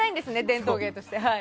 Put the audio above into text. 伝統芸として。